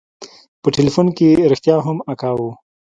په ټېلفون کښې رښتيا هم اکا و.